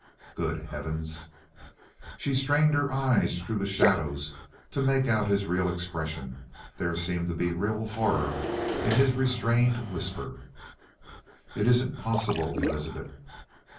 "Good heavens!" She strained her eyes through the shadows to make out his real expression; but there seemed to be a real horror in his restrained whisper. "It isn't possible, Elizabeth!"